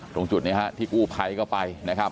ตรงจุดนี้ฮะที่กู้ภัยก็ไปนะครับ